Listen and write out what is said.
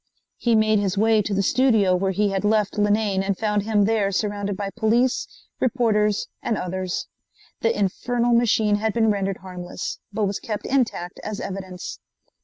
He made his way to the studio where he had left Linane and found him there surrounded by police, reporters and others. The infernal machine had been rendered harmless, but was kept intact as evidence.